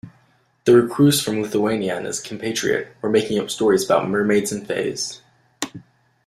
The recluse from Lithuania and his compatriot were making up stories about mermaids and fays.